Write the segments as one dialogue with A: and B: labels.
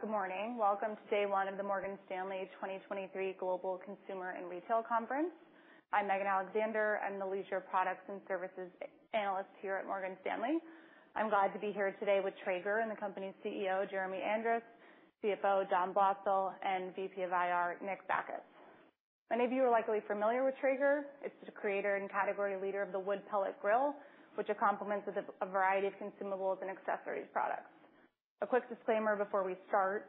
A: Good morning. Welcome to day one of the Morgan Stanley 2023 Global Consumer and Retail Conference. I'm Megan Alexander. I'm the Leisure Products and Services Analyst here at Morgan Stanley. I'm glad to be here today with Traeger and the company's CEO, Jeremy Andrus, CFO, Dom Blosil, and VP of IR, Nick Bacchus. Many of you are likely familiar with Traeger. It's the creator and category leader of the wood pellet grill, which it complements with a variety of consumables and accessories products. A quick disclaimer before we start,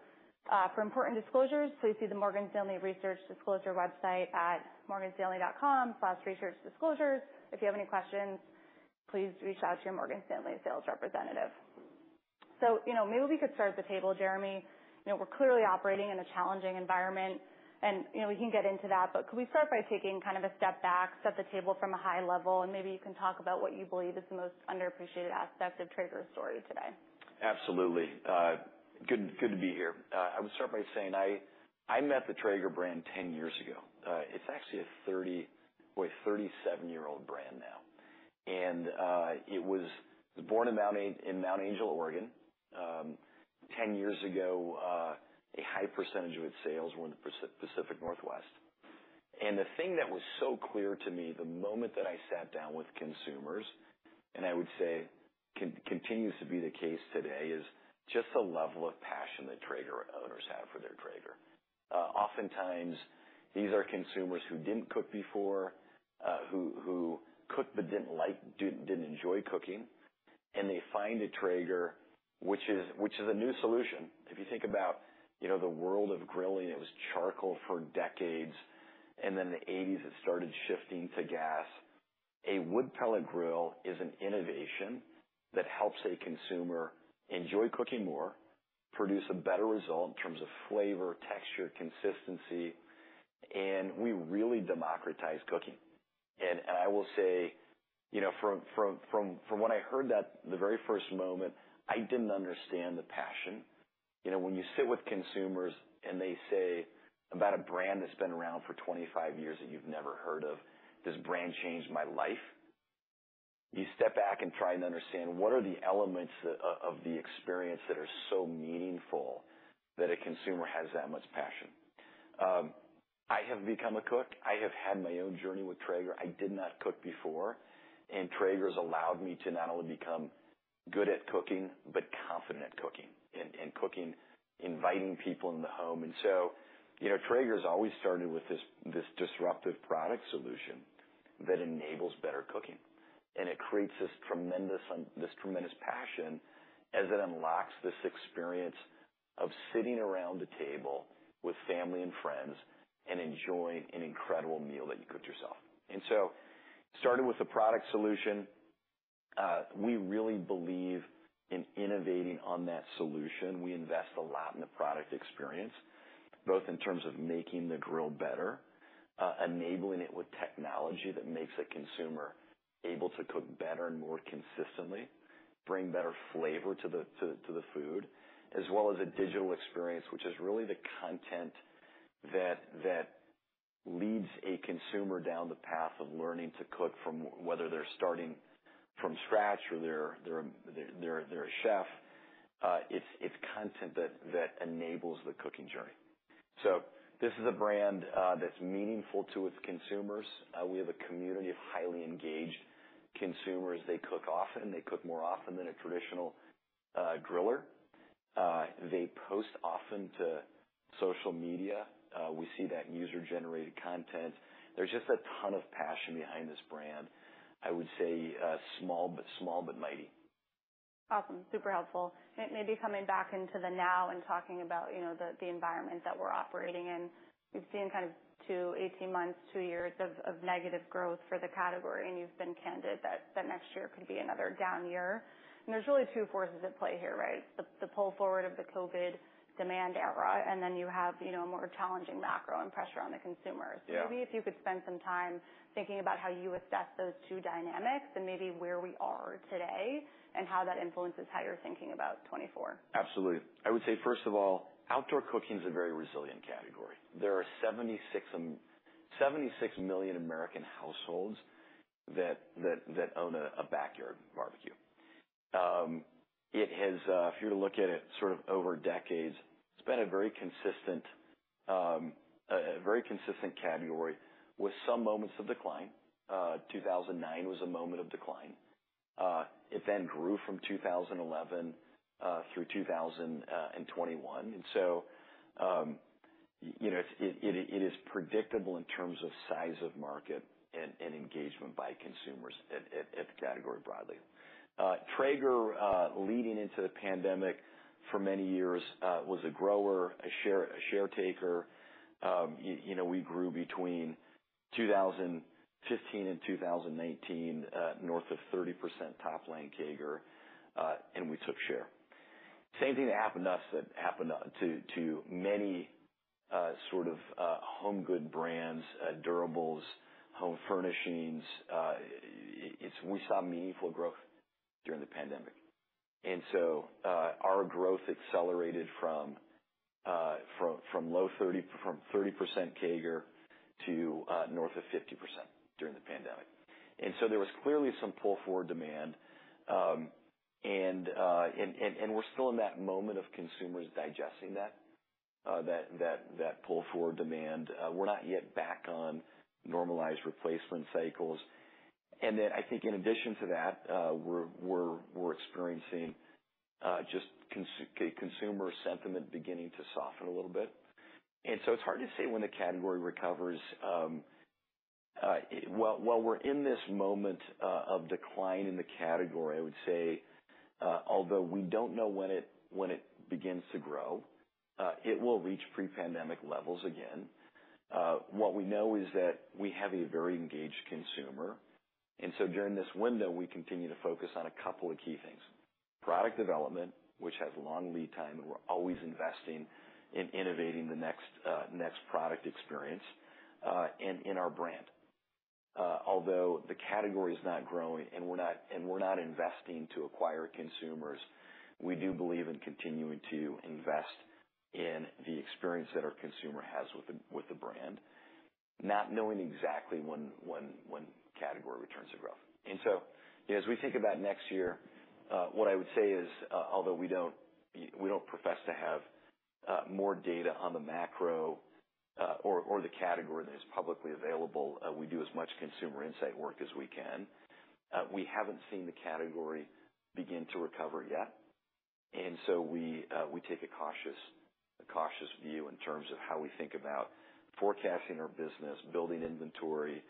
A: for important disclosures, please see the Morgan Stanley Research Disclosure website at morganstanley.com/researchdisclosures. If you have any questions, please reach out to your Morgan Stanley sales representative. You know, maybe we could start at the table, Jeremy. You know, we're clearly operating in a challenging environment, and, you know, we can get into that, but could we start by taking kind of a step back, set the table from a high level, and maybe you can talk about what you believe is the most underappreciated aspect of Traeger's story today?
B: Absolutely. Good to be here. I would start by saying, I met the Traeger brand 10 years ago. It's actually a 37-year-old brand now. And it was born in Mount Angel, Oregon. Ten years ago, a high percentage of its sales were in the Pacific Northwest. And the thing that was so clear to me, the moment that I sat down with consumers, and I would say continues to be the case today, is just the level of passion that Traeger owners have for their Traeger. Oftentimes, these are consumers who didn't cook before, who cooked but didn't like, didn't enjoy cooking, and they find a Traeger, which is a new solution. If you think about, you know, the world of grilling, it was charcoal for decades, and then in the 1980s, it started shifting to gas. A wood pellet grill is an innovation that helps a consumer enjoy cooking more, produce a better result in terms of flavor, texture, consistency, and we really democratize cooking. I will say, you know, from when I heard that the very first moment, I didn't understand the passion. You know, when you sit with consumers and they say about a brand that's been around for 25 years that you've never heard of, "This brand changed my life," you step back and try and understand what are the elements of the experience that are so meaningful that a consumer has that much passion? I have become a cook. I have had my own journey with Traeger. I did not cook before, and Traeger's allowed me to not only become good at cooking, but confident at cooking and cooking, inviting people in the home. And so, you know, Traeger's always started with this disruptive product solution that enables better cooking, and it creates this tremendous passion as it unlocks this experience of sitting around the table with family and friends and enjoying an incredible meal that you cooked yourself. And so started with a product solution. We really believe in innovating on that solution. We invest a lot in the product experience, both in terms of making the grill better, enabling it with technology that makes a consumer able to cook better and more consistently, bring better flavor to the food, as well as a digital experience, which is really the content that leads a consumer down the path of learning to cook from whether they're starting from scratch or they're a chef. It's content that enables the cooking journey. So this is a brand that's meaningful to its consumers. We have a community of highly engaged consumers. They cook often. They cook more often than a traditional griller. They post often to social media. We see that user-generated content. There's just a ton of passion behind this brand. I would say small, but small but mighty.
A: Awesome. Super helpful. Maybe coming back into the now and talking about, you know, the environment that we're operating in. We've seen kind of two 18 months, two years of negative growth for the category, and you've been candid that next year could be another down year. There's really two forces at play here, right? The pull forward of the COVID demand era, and then you have, you know, a more challenging macro and pressure on the consumer.
B: Yeah.
A: Maybe if you could spend some time thinking about how you assess those two dynamics and maybe where we are today and how that influences how you're thinking about 2024.
B: Absolutely. I would say, first of all, outdoor cooking is a very resilient category. There are 76 million American households that own a backyard barbecue. It has, if you were to look at it sort of over decades, it's been a very consistent category with some moments of decline. 2009 was a moment of decline. It then grew from 2011 through 2021. And so, you know, it is predictable in terms of size of market and engagement by consumers at the category broadly. Traeger, leading into the pandemic for many years, was a grower, a share taker. You know, we grew between 2015 and 2018, north of 30% top line Traeger, and we took share. Same thing that happened to us, that happened to many sort of home good brands, durables, home furnishings, it's. We saw meaningful growth during the pandemic, and so our growth accelerated from low 30, from 30% CAGR to north of 50% during the pandemic. And so there was clearly some pull-forward demand, and we're still in that moment of consumers digesting that pull-forward demand. We're not yet back on normalized replacement cycles. And then I think in addition to that, we're experiencing just consumer sentiment beginning to soften a little bit. And so it's hard to say when the category recovers. While we're in this moment of decline in the category, I would say, although we don't know when it begins to grow, it will reach pre-pandemic levels again. What we know is that we have a very engaged consumer, and so during this window, we continue to focus on a couple of key things: product development, which has long lead time, and we're always investing in innovating the next product experience, and in our brand. Although the category is not growing and we're not investing to acquire consumers, we do believe in continuing to invest in the experience that our consumer has with the brand, not knowing exactly when category returns to growth. As we think about next year, what I would say is, although we don't profess to have more data on the macro or the category that is publicly available, we do as much consumer insight work as we can. We haven't seen the category begin to recover yet, and so we take a cautious view in terms of how we think about forecasting our business, building inventory,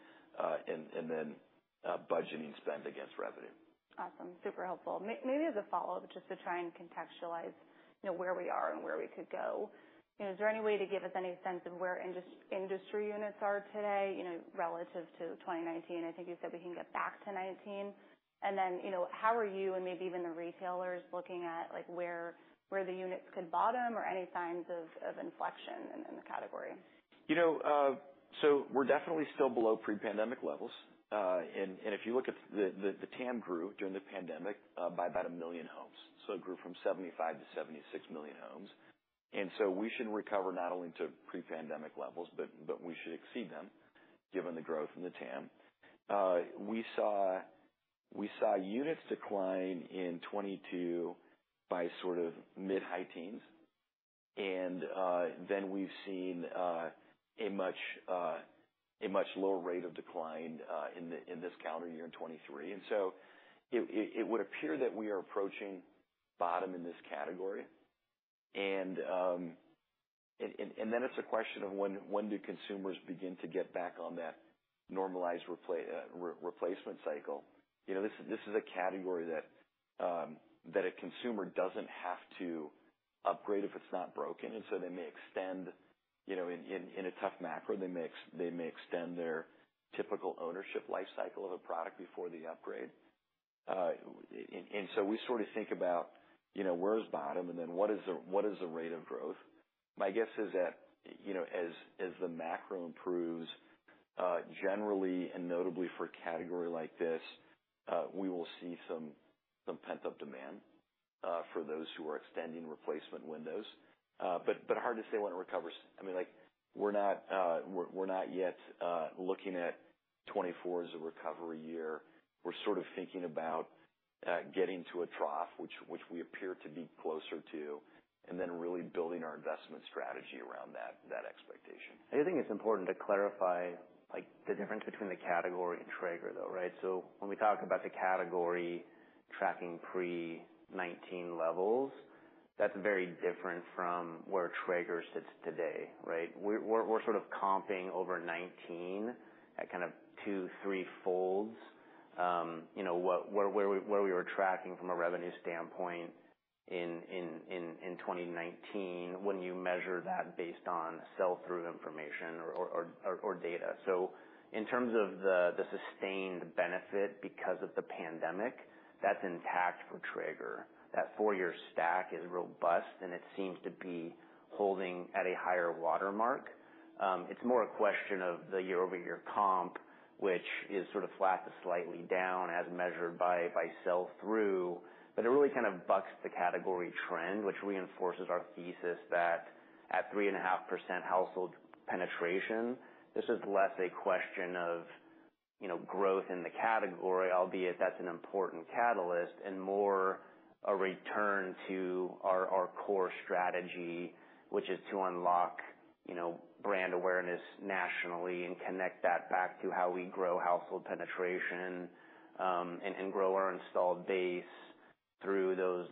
B: and then budgeting spend against revenue.
A: Awesome. Super helpful. Maybe as a follow-up, just to try and contextualize, you know, where we are and where we could go, you know, is there any way to give us any sense of where industry units are today, you know, relative to 2019? I think you said we can get back to 2019. And then, you know, how are you and maybe even the retailers looking at, like, where the units could bottom or any signs of inflection in the category?
B: You know, so we're definitely still below pre-pandemic levels. And if you look at the TAM grew during the pandemic by about a million homes. So it grew from 75-76 million homes. And so we should recover not only to pre-pandemic levels, but we should exceed them, given the growth in the TAM. We saw units decline in 2022 by sort of mid-high teens, and then we've seen a much lower rate of decline in this calendar year in 2023. And so it would appear that we are approaching bottom in this category. And then it's a question of when do consumers begin to get back on that normalized replacement cycle? You know, this, this is a category that that a consumer doesn't have to upgrade if it's not broken, and so they may extend, you know, in a tough macro, they may extend their typical ownership life cycle of a product before the upgrade. And so we sort of think about, you know, where's bottom? And then what is the, what is the rate of growth? My guess is that, you know, as the macro improves, generally and notably for a category like this, we will see some pent-up demand for those who are extending replacement windows. But hard to say when it recovers. I mean, like, we're not yet looking at 2024 as a recovery year. We're sort of thinking about getting to a trough, which we appear to be closer to, and then really building our investment strategy around that expectation.
C: I think it's important to clarify, like, the difference between the category and Traeger, though, right? So when we talk about the category tracking pre-2019 levels, that's very different from where Traeger sits today, right? We're sort of comping over 2019 at kind of two to three fold. You know, where we were tracking from a revenue standpoint in 2019, when you measure that based on sell-through information or data. So in terms of the sustained benefit because of the pandemic, that's intact for Traeger. That four-year stack is robust, and it seems to be holding at a higher watermark. It's more a question of the year-over-year comp, which is sort of flat to slightly down as measured by sell-through. But it really kind of bucks the category trend, which reinforces our thesis that at 3.5% household penetration, this is less a question of, you know, growth in the category, albeit that's an important catalyst, and more a return to our core strategy. Which is to unlock, you know, brand awareness nationally and connect that back to how we grow household penetration, and grow our installed base through those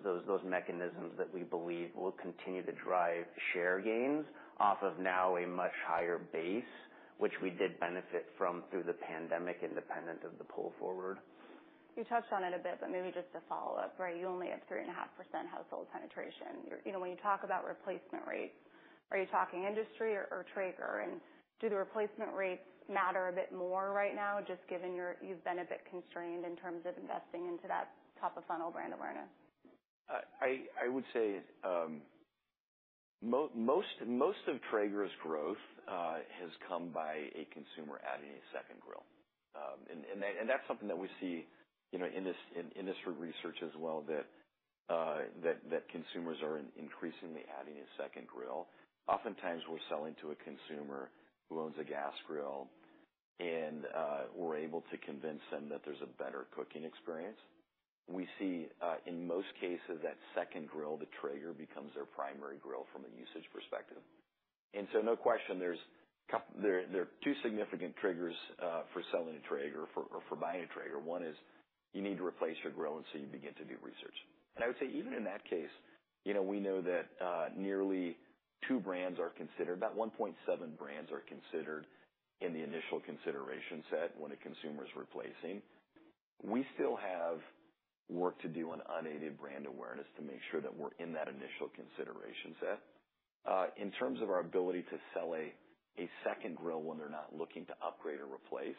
C: mechanisms that we believe will continue to drive share gains off of now a much higher base, which we did benefit from through the pandemic, independent of the pull forward.
A: You touched on it a bit, but maybe just to follow up, right? You only have 3.5% household penetration. You're, you know, when you talk about replacement rates, are you talking industry or, or Traeger? And do the replacement rates matter a bit more right now, just given your, you've been a bit constrained in terms of investing into that top-of-funnel brand awareness?
B: I would say most of Traeger's growth has come by a consumer adding a second grill. That's something that we see, you know, in industry research as well, that consumers are increasingly adding a second grill. Oftentimes, we're selling to a consumer who owns a gas grill, and we're able to convince them that there's a better cooking experience. We see in most cases, that second grill, the Traeger, becomes their primary grill from a usage perspective. And so no question, there are two significant triggers for selling a Traeger or for buying a Traeger. One is you need to replace your grill, and so you begin to do research. And I would say even in that case, you know, we know that nearly two brands are considered, about 1.7 brands are considered in the initial consideration set when a consumer is replacing. We still have work to do on unaided brand awareness to make sure that we're in that initial consideration set. In terms of our ability to sell a second grill when they're not looking to upgrade or replace,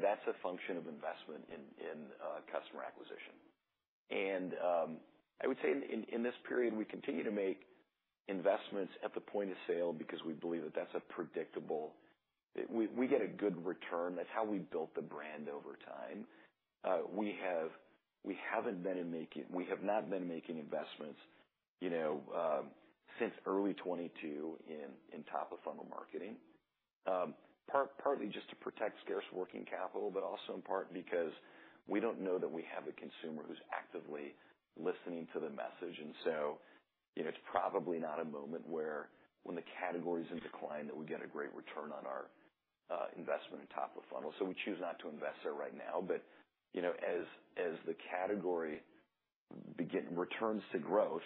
B: that's a function of investment in customer acquisition. And I would say in this period, we continue to make investments at the point of sale because we believe that that's a predictable. We get a good return. That's how we built the brand over time. We have not been making investments, you know, since early 2022 in top of funnel marketing, partly just to protect scarce working capital, but also in part because we don't know that we have a consumer who's actively listening to the message. And so, you know, it's probably not a moment where when the category is in decline, that we get a great return on our investment in top of funnel, so we choose not to invest there right now. But, you know, as the category returns to growth,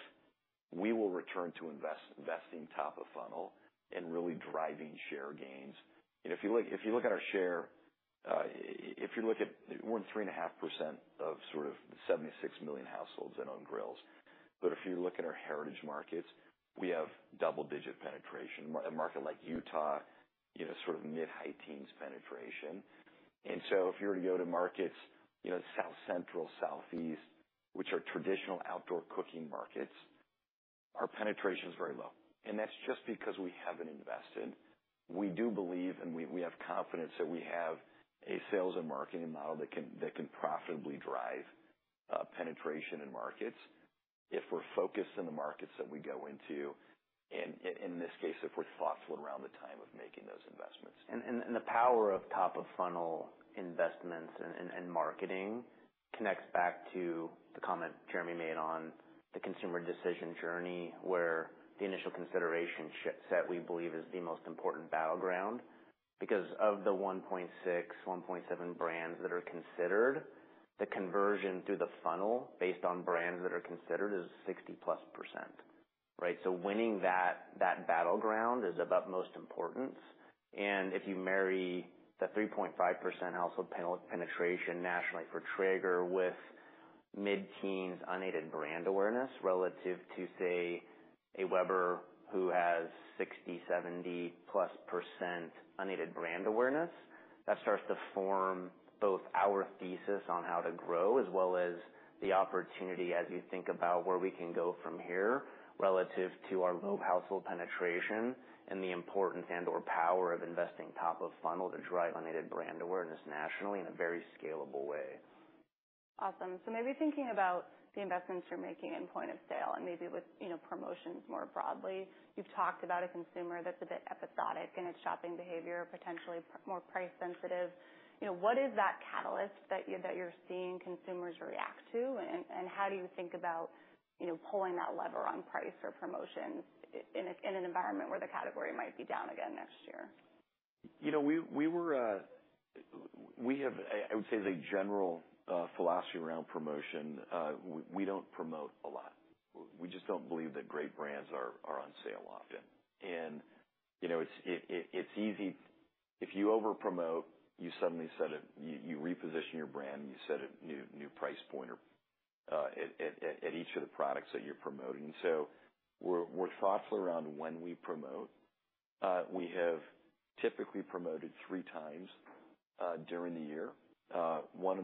B: we will return to investing top of funnel and really driving share gains. If you look, if you look at our share, if you look at more than 3.5% of sort of 76 million households that own grills, but if you look at our heritage markets, we have double digit penetration. A market like Utah, you have a sort of mid-high teens penetration. And so if you were to go to markets, you know, South Central, Southeast, which are traditional outdoor cooking markets, our penetration is very low, and that's just because we haven't invested. We do believe, and we, we have confidence that we have a sales and marketing model that can, that can profitably drive, penetration in markets if we're focused in the markets that we go into, and in, in this case, if we're thoughtful around the time of making those investments.
C: The power of top-of-funnel investments and marketing connects back to the comment Jeremy made on the consumer decision journey, where the initial consideration set, we believe, is the most important battleground. Because of the 1.6, 1.7 brands that are considered, the conversion through the funnel, based on brands that are considered, is 60+%, right? So winning that battleground is of utmost importance. If you marry the 3.5% household penetration nationally for Traeger with mid-teens unaided brand awareness, relative to, say, a Weber who has 60%-70+% unaided brand awareness, that starts to form both our thesis on how to grow, as well as the opportunity as you think about where we can go from here relative to our low household penetration and the importance and/or power of investing top of funnel to drive unaided brand awareness nationally in a very scalable way.
A: Awesome. So maybe thinking about the investments you're making in point of sale and maybe with, you know, promotions more broadly, you've talked about a consumer that's a bit episodic in its shopping behavior, potentially more price sensitive. You know, what is that catalyst that you're seeing consumers react to, and how do you think about, you know, pulling that lever on price or promotions in an environment where the category might be down again next year?
B: You know, we have, I would say, the general philosophy around promotion. We don't promote a lot. We just don't believe that great brands are on sale often. And, you know, it's easy, if you over promote, you suddenly set a you reposition your brand, and you set a new price point or at each of the products that you're promoting. So we're thoughtful around when we promote. We have typically promoted three times during the year. One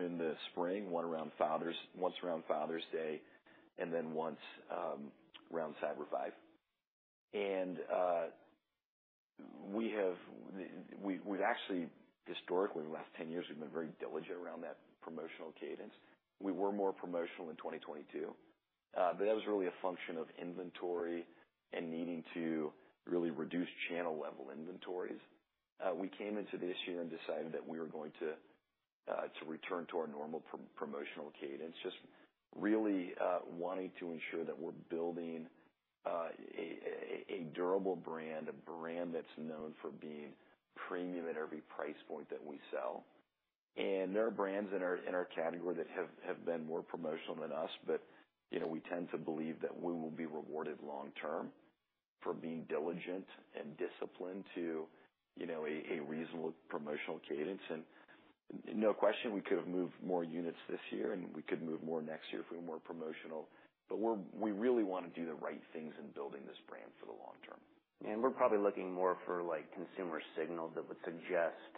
B: in the spring, one around Father's Day, and then once around Cyber Five. We've actually historically, in the last 10 years, we've been very diligent around that promotional cadence. We were more promotional in 2022, but that was really a function of inventory and needing to really reduce channel-level inventories. We came into this year and decided that we were going to return to our normal promotional cadence, just really wanting to ensure that we're building a durable brand, a brand that's known for being premium at every price point that we sell. And there are brands in our category that have been more promotional than us, but, you know, we tend to believe that we will be rewarded long term for being diligent and disciplined to, you know, a reasonable promotional cadence. No question, we could have moved more units this year, and we could move more next year if we were more promotional, but we really want to do the right things in building this brand for the long term.
C: And we're probably looking more for, like, consumer signals that would suggest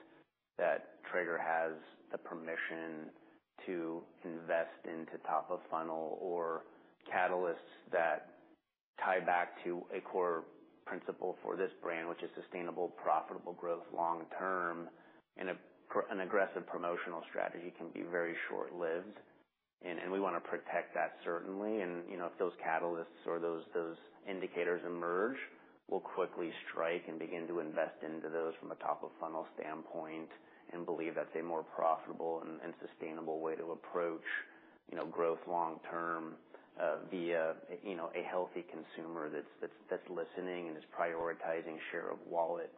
C: that Traeger has the permission to invest into top of funnel catalysts that tie back to a core principle for this brand, which is sustainable, profitable growth long term, and an aggressive promotional strategy can be very short-lived. And we wanna protect that, certainly. And, you know, if those catalysts or those indicators emerge, we'll quickly strike and begin to invest into those from a top-of-funnel standpoint, and believe that's a more profitable and sustainable way to approach, you know, growth long term, via, you know, a healthy consumer that's listening and is prioritizing share of wallet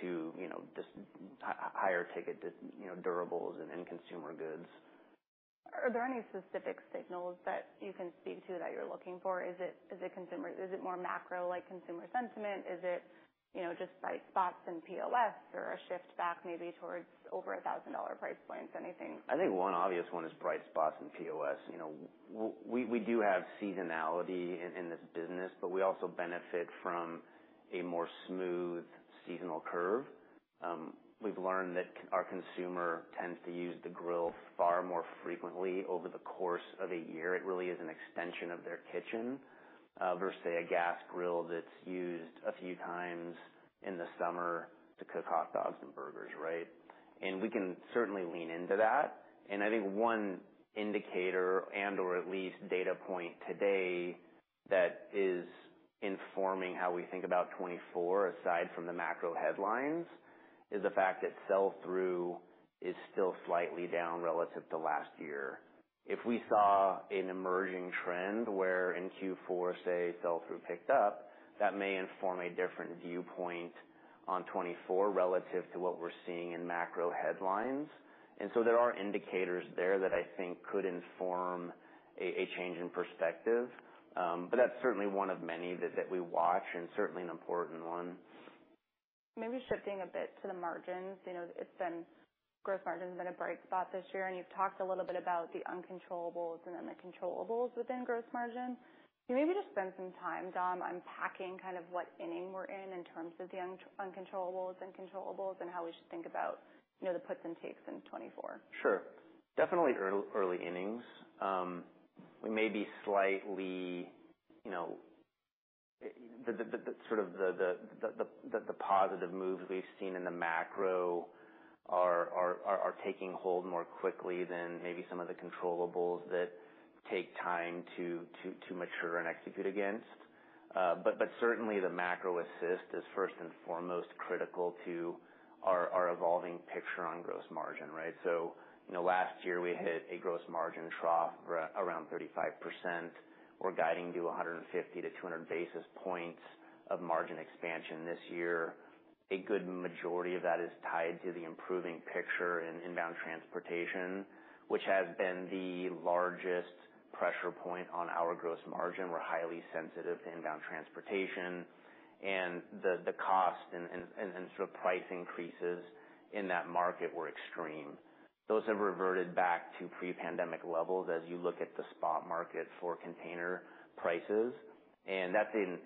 C: to, you know, just higher ticket, just, you know, durables and consumer goods.
A: Are there any specific signals that you can speak to that you're looking for? Is it consumer sentiment? Is it more macro, like consumer sentiment? Is it, you know, just bright spots in POS or a shift back maybe towards over $1,000 price points, anything?
C: I think one obvious one is bright spots in POS. You know, we do have seasonality in this business, but we also benefit from a more smooth seasonal curve. We've learned that our consumer tends to use the grill far more frequently over the course of a year. It really is an extension of their kitchen, versus, say, a gas grill that's used a few times in the summer to cook hot dogs and burgers, right? And we can certainly lean into that. And I think one indicator and/or at least data point today that is informing how we think about 2024, aside from the macro headlines, is the fact that sell-through is still slightly down relative to last year. If we saw an emerging trend where in Q4, say, sell-through picked up, that may inform a different viewpoint on 2024 relative to what we're seeing in macro headlines. And so there are indicators there that I think could inform a change in perspective. But that's certainly one of many that we watch, and certainly an important one.
A: Maybe shifting a bit to the margins. You know, it's been gross margin's been a bright spot this year, and you've talked a little bit about the uncontrollables and then the controllables within gross margin. Can you maybe just spend some time, Dom, unpacking kind of what inning we're in, in terms of the uncontrollables and controllables, and how we should think about, you know, the puts and takes in 2024?
C: Sure. Definitely early innings. We may be slightly, you know. The sort of positive moves we've seen in the macro are taking hold more quickly than maybe some of the controllables that take time to mature and execute against. But certainly, the macro assist is first and foremost critical to our evolving picture on gross margin, right? So, you know, last year, we hit a gross margin trough around 35%. We're guiding to 150-200 basis points of margin expansion this year. A good majority of that is tied to the improving picture in inbound transportation, which has been the largest pressure point on our gross margin. We're highly sensitive to inbound transportation, and the cost and sort of price increases in that market were extreme. Those have reverted back to pre-pandemic levels as you look at the spot market for container prices, and that's an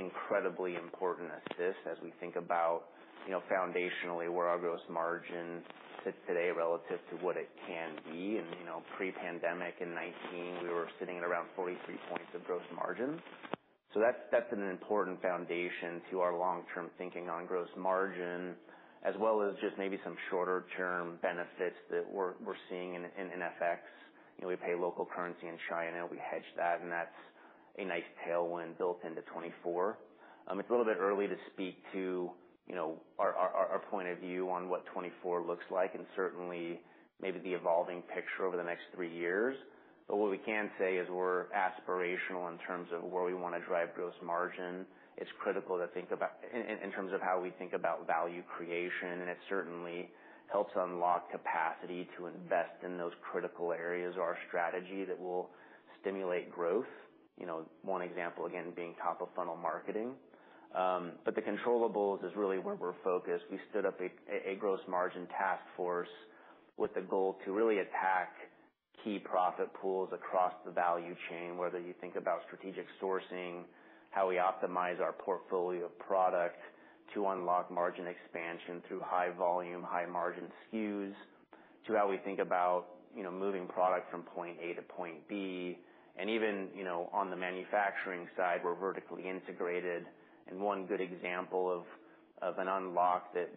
C: incredibly important assist as we think about, you know, foundationally, where our gross margin sits today relative to what it can be. And, you know, pre-pandemic in 2019, we were sitting at around 43 points of gross margin. So that's, that's been an important foundation to our long-term thinking on gross margin, as well as just maybe some shorter-term benefits that we're, we're seeing in, in, in FX. You know, we pay local currency in China, we hedge that, and that's a nice tailwind built into 2024. It's a little bit early to speak to, you know, our point of view on what 2024 looks like, and certainly maybe the evolving picture over the next three years. But what we can say is we're aspirational in terms of where we wanna drive gross margin. It's critical to think about in terms of how we think about value creation, and it certainly helps unlock capacity to invest in those critical areas of our strategy that will stimulate growth. You know, one example, again, being top-of-funnel marketing. But the controllables is really where we're focused. We stood up a gross margin task force with the goal to really attack key profit pools across the value chain, whether you think about strategic sourcing, how we optimize our portfolio of product to unlock margin expansion through high volume, high margin SKUs, to how we think about, you know, moving product from point A to point B. And even, you know, on the manufacturing side, we're vertically integrated. And one good example of an unlock that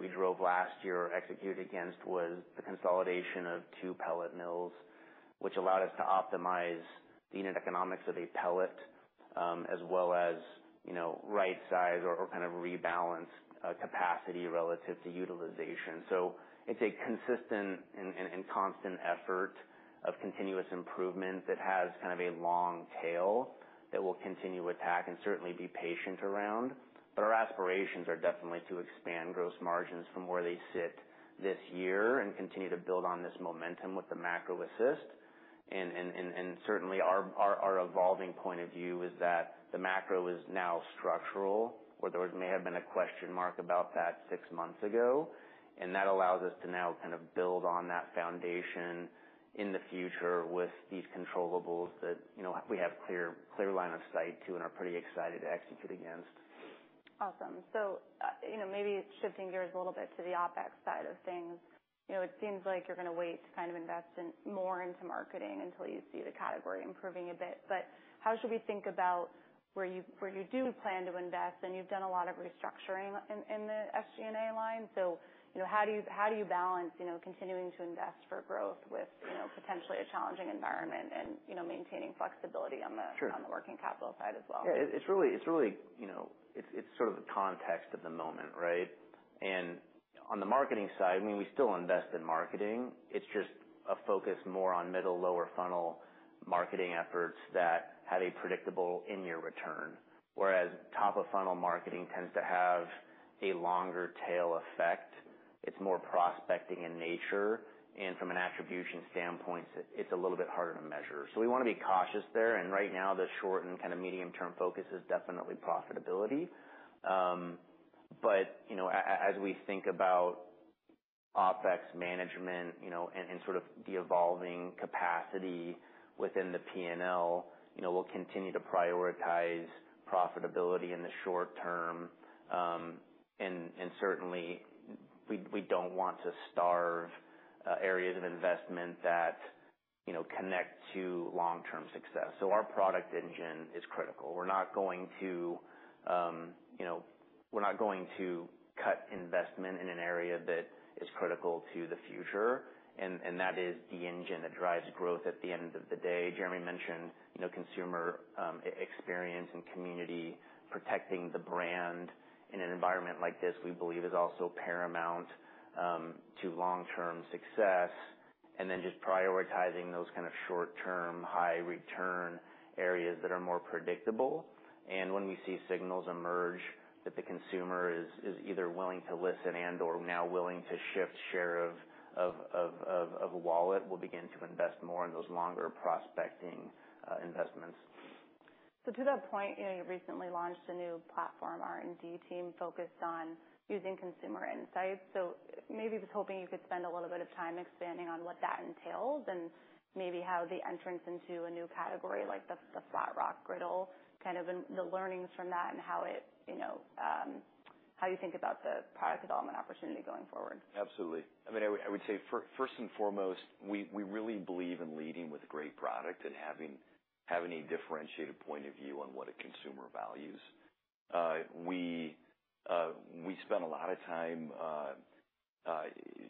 C: we drove last year or executed against was the consolidation of two pellet mills, which allowed us to optimize the unit economics of a pellet, as well as, you know, rightsize or kind of rebalance capacity relative to utilization. So it's a consistent and constant effort of continuous improvement that has kind of a long tail, that we'll continue to attack and certainly be patient around. But our aspirations are definitely to expand gross margins from where they sit this year and continue to build on this momentum with the macro assist. And certainly our evolving point of view is that the macro is now structural, where there may have been a question mark about that six months ago. And that allows us to now kind of build on that foundation in the future with these controllables that, you know, we have clear line of sight to and are pretty excited to execute against.
A: Awesome. So, you know, maybe shifting gears a little bit to the OpEx side of things. You know, it seems like you're going to wait to kind of invest in more into marketing until you see the category improving a bit. But how should we think about where you, where you do plan to invest, and you've done a lot of restructuring in, in the SG&A line. So, you know, how do you, how do you balance, you know, continuing to invest for growth with, you know, potentially a challenging environment and, you know, maintaining flexibility on the-
B: Sure.
A: on the working capital side as well?
B: Yeah, it's really, you know, it's sort of the context of the moment, right? And on the marketing side, I mean, we still invest in marketing. It's just a focus more on middle, lower funnel marketing efforts that have a predictable in-year return. Whereas top of funnel marketing tends to have a longer tail effect. It's more prospecting in nature, and from an attribution standpoint, it's a little bit harder to measure. So we want to be cautious there, and right now, the short and kind of medium-term focus is definitely profitability. But, you know, as we think about OpEx management, you know, and sort of the evolving capacity within the P&L, you know, we'll continue to prioritize profitability in the short term. And certainly, we don't want to starve areas of investment that, you know, connect to long-term success. So our product engine is critical. We're not going to, you know, we're not going to cut investment in an area that is critical to the future, and that is the engine that drives growth at the end of the day. Jeremy mentioned, you know, consumer experience and community, protecting the brand in an environment like this, we believe is also paramount to long-term success, and then just prioritizing those kind of short-term, high return areas that are more predictable. And when we see signals emerge that the consumer is either willing to listen and/or now willing to shift share of wallet, we'll begin to invest more in those longer prospecting investments.
A: So to that point, you know, you recently launched a new platform, R&D team, focused on using consumer insights. So maybe I was hoping you could spend a little bit of time expanding on what that entails and maybe how the entrance into a new category, like the Flatrock griddle, kind of and the learnings from that and how it, you know, how you think about the product development opportunity going forward.
B: Absolutely. I mean, I would say first and foremost, we really believe in leading with great product and having a differentiated point of view on what a consumer values. We spend a lot of time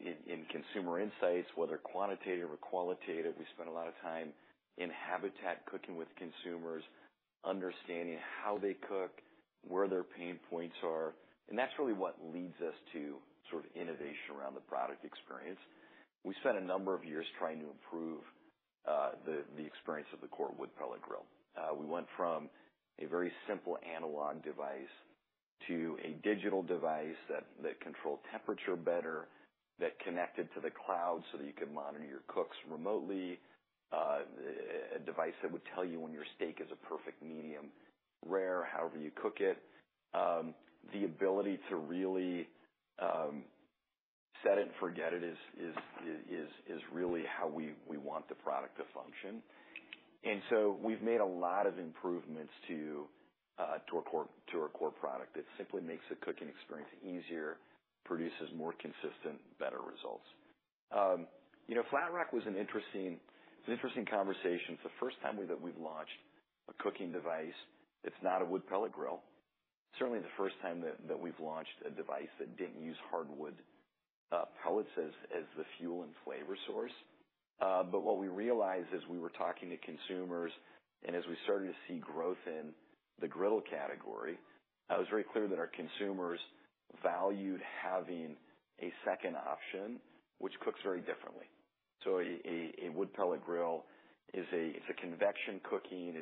B: in consumer insights, whether quantitative or qualitative. We spend a lot of time in habitat, cooking with consumers, understanding how they cook, where their pain points are, and that's really what leads us to sort of innovation around the product experience. We spent a number of years trying to improve the experience of the core wood pellet grill. We went from a very simple analog device to a digital device that controlled temperature better, that connected to the cloud so that you could monitor your cooks remotely. A device that would tell you when your steak is a perfect medium rare, however you cook it. The ability to really set it and forget it is really how we want the product to function. And so we've made a lot of improvements to our core product. It simply makes the cooking experience easier, produces more consistent, better results. You know, Flatrock was an interesting conversation. It's the first time that we've launched a cooking device that's not a wood pellet grill. Certainly the first time that we've launched a device that didn't use hardwood pellets as the fuel and flavor source. But what we realized as we were talking to consumers and as we started to see growth in the grill category, it was very clear that our consumers valued having a second option, which cooks very differently. So a wood pellet grill is a, it's convection cooking.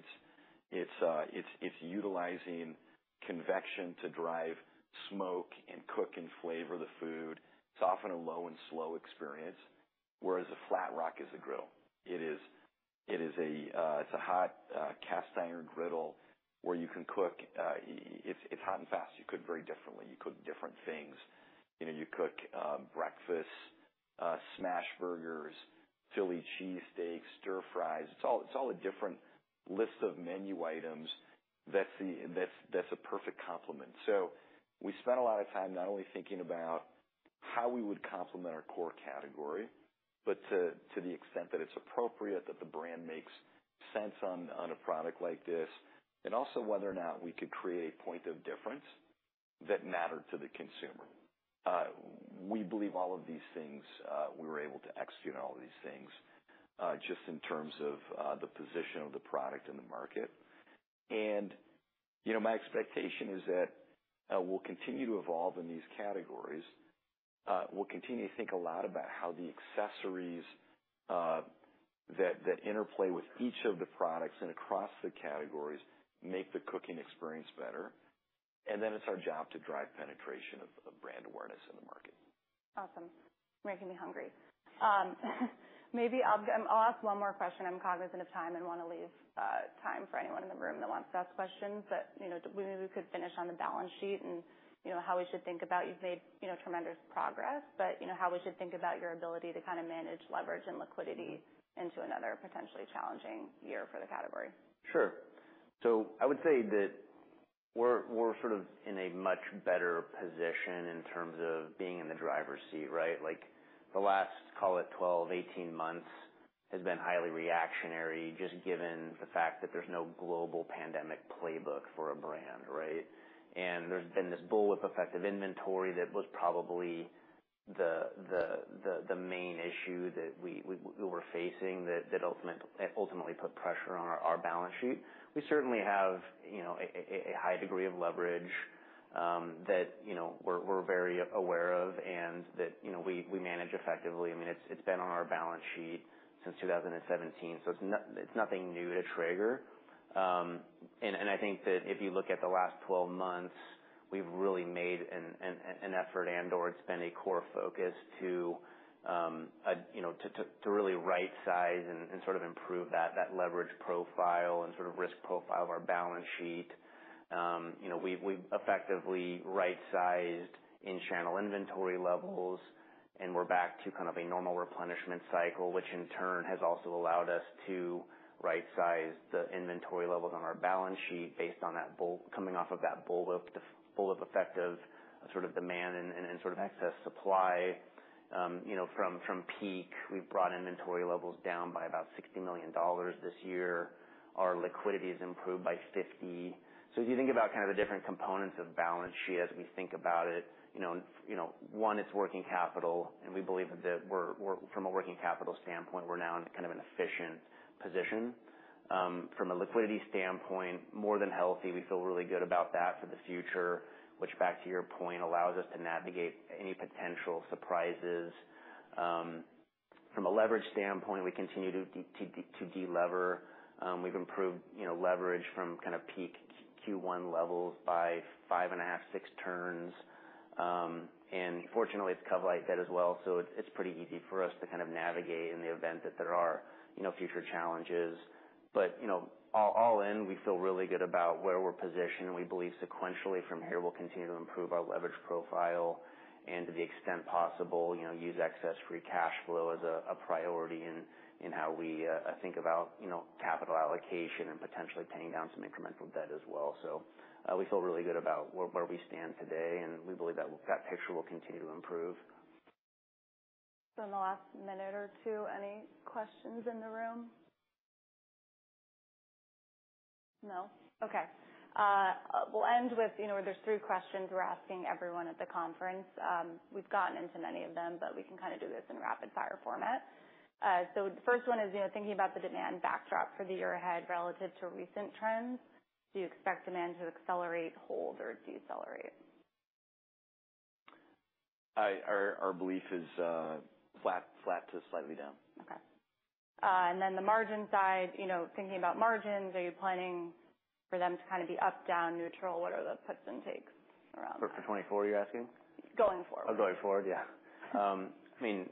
B: It's utilizing convection to drive smoke and cook and flavor the food. It's often a low and slow experience, whereas a Flatrock is a grill. It is a hot cast iron griddle where you can cook. It's hot and fast. You cook very differently. You cook different things. You know, you cook breakfast, smash burgers, Philly cheesesteaks, stir fries. It's all a different list of menu items that's a perfect complement. So we spent a lot of time not only thinking about how we would complement our core category, but to the extent that it's appropriate, that the brand makes sense on a product like this, and also whether or not we could create a point of difference that mattered to the consumer. We believe all of these things, we were able to execute on all of these things, just in terms of the position of the product in the market. And, you know, my expectation is that we'll continue to evolve in these categories. We'll continue to think a lot about how the accessories that interplay with each of the products and across the categories make the cooking experience better. And then it's our job to drive penetration of brand awareness in the market.
A: Awesome. Making me hungry. Maybe I'll ask one more question. I'm cognizant of time and want to leave time for anyone in the room that wants to ask questions. But, you know, maybe we could finish on the balance sheet and, you know, how we should think about. You've made, you know, tremendous progress, but, you know, how we should think about your ability to kind of manage leverage and liquidity into another potentially challenging year for the category?
C: Sure. So I would say that we're sort of in a much better position in terms of being in the driver's seat, right? Like the last, call it 12-18 months, has been highly reactionary, just given the fact that there's no global pandemic playbook for a brand, right? And there's been this bullwhip effect of inventory that was probably the main issue that we're facing that ultimately put pressure on our balance sheet. We certainly have, you know, a high degree of leverage that, you know, we're very aware of and that, you know, we manage effectively. I mean, it's been on our balance sheet since 2017, so it's nothing new to Traeger. I think that if you look at the last 12 months, we've really made an effort and/or it's been a core focus to you know to really rightsize and sort of improve that leverage profile and sort of risk profile of our balance sheet. You know, we've effectively rightsized in-channel inventory levels, and we're back to kind of a normal replenishment cycle, which in turn has also allowed us to rightsize the inventory levels on our balance sheet based on that bullwhip coming off of that bullwhip effect of sort of demand and sort of excess supply. You know, from peak, we've brought inventory levels down by about $60 million this year. Our liquidity has improved by $50 million. So if you think about kind of the different components of the balance sheet as we think about it, you know, one, it's working capital, and we believe that we're—from a working capital standpoint, we're now in kind of an efficient position. From a liquidity standpoint, more than healthy. We feel really good about that for the future, which back to your point, allows us to navigate any potential surprises. From a leverage standpoint, we continue to delever. We've improved, you know, leverage from kind of peak Q1 levels by 5.5-6 turns. And fortunately, it's covered like that as well, so it's pretty easy for us to kind of navigate in the event that there are, you know, future challenges. But, you know, all in, we feel really good about where we're positioned, and we believe sequentially from here, we'll continue to improve our leverage profile and to the extent possible, you know, use excess free cash flow as a priority in how we think about, you know, capital allocation and potentially paying down some incremental debt as well. So, we feel really good about where we stand today, and we believe that picture will continue to improve.
A: So in the last minute or two, any questions in the room? No. Okay. We'll end with, you know, there's three questions we're asking everyone at the conference. We've gotten into many of them, but we can kind of do this in rapid fire format. So the first one is, you know, thinking about the demand backdrop for the year ahead, relative to recent trends, do you expect demand to accelerate, hold, or decelerate?
C: Our belief is flat to slightly down.
A: Okay. And then the margin side, you know, thinking about margins, are you planning for them to kind of be up, down, neutral? What are the puts and takes around that?
C: For 2024, you're asking?
A: Going forward.
C: Oh, going forward. Yeah. I mean,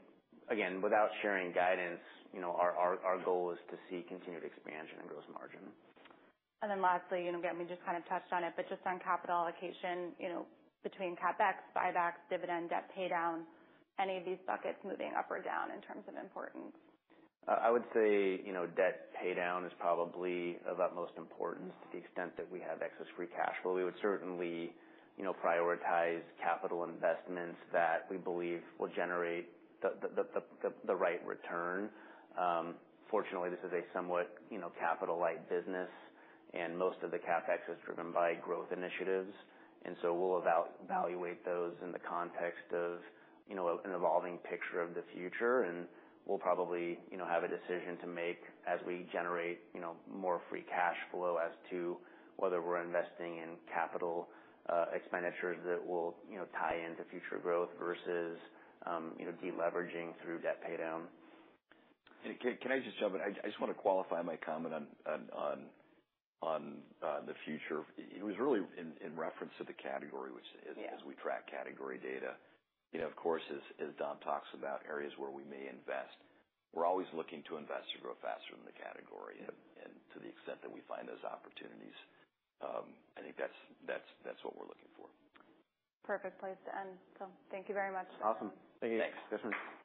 C: again, without sharing guidance, you know, our goal is to see continued expansion in gross margin.
A: And then lastly, you know, again, we just kind of touched on it, but just on capital allocation, you know, between CapEx, buybacks, dividend, debt paydown, any of these buckets moving up or down in terms of importance?
C: I would say, you know, debt paydown is probably of utmost importance to the extent that we have excess free cash flow. We would certainly, you know, prioritize capital investments that we believe will generate the right return. Fortunately, this is a somewhat, you know, capital-light business, and most of the CapEx is driven by growth initiatives. And so we'll evaluate those in the context of, you know, an evolving picture of the future. And we'll probably, you know, have a decision to make as we generate, you know, more free cash flow as to whether we're investing in capital expenditures that will, you know, tie into future growth versus, you know, deleveraging through debt paydown.
B: Can I just jump in? I just want to qualify my comment on the future. It was really in reference to the category, which-
A: Yeah.
B: As we track category data, you know, of course, as Dom talks about areas where we may invest, we're always looking to invest to grow faster than the category. And to the extent that we find those opportunities, I think that's what we're looking for.
A: Perfect place to end. So thank you very much.
C: Awesome. Thank you.
B: Thanks.